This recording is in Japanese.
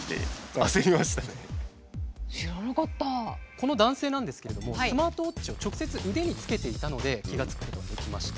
この男性なんですけれどもスマートウォッチを直接腕につけていたので気が付くことができました。